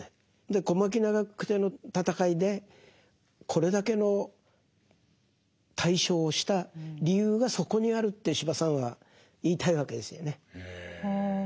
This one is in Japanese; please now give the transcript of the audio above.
小牧・長久手の戦いでこれだけの大勝をした理由がそこにあるって司馬さんは言いたいわけですよね。